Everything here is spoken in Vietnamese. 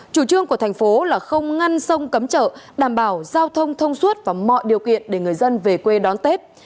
chủ trương của thành phố là không ngăn sông cấm chợ đảm bảo giao thông thông suốt và mọi điều kiện để người dân về quê đón tết